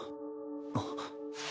あっ。